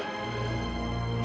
ma jangan ma